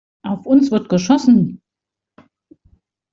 Auf uns wird geschossen!